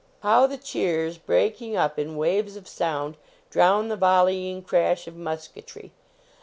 How the cheers, breaking up in waves of sound, drown the volleying cra^h of mu ket ry!